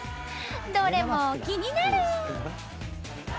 どれも気になる！